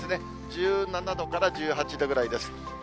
１７度から１８度ぐらいです。